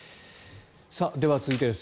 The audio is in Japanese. では、続いてです。